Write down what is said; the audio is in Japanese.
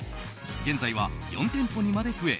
現在は４店舗にまで増え